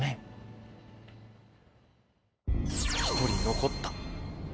１人残った。